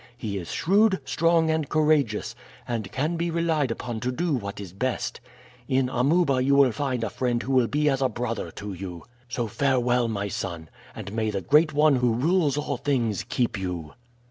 He is shrewd, strong, and courageous, and can be relied upon to do what is best. In Amuba you will find a friend who will be as a brother to you. So farewell, my son, and may the great One who rules all things keep you!"